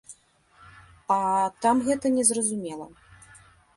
А там гэта не зразумела.